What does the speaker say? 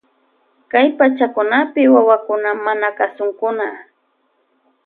Kay pachakunapi wawakuna manakasukkuna.